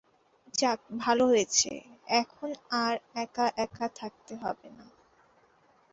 যাক, ভালো হয়েছে, এখন আর এক-একা থাকতে হবে না।